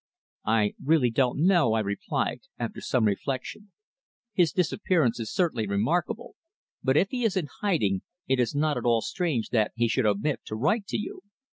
"I really don't know," I replied, after some reflection. "His disappearance is certainly remarkable, but if he is in hiding, it is not at all strange that he should omit to write to you.